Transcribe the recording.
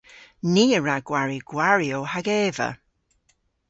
Ni a wra gwari gwariow hag eva.